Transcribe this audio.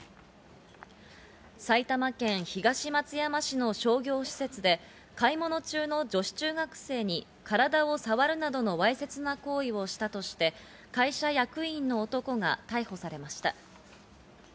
埼玉県東松山市の商業施設で買い物中の女子中学生に体を触るなどのわいせつな行為をしたとして、会社役員の男が逮捕されました。